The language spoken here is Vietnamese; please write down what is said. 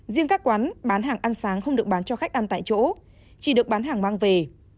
riêng các quán bán hàng ăn sáng không được bán cho khách ăn tại chỗ chỉ được bán hàng mang về